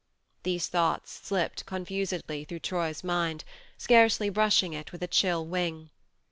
These thoughts slipped con fusedly through Troy's mind, scarcely brushing it with a chill wing.